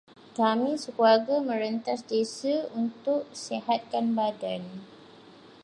Kami sekeluarga merentas desa untuk sihatkan badan.